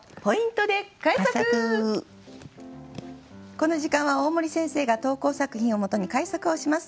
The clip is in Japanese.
この時間は大森先生が投稿作品を元に改作をします。